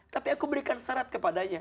tapi aku berikan syarat kepadanya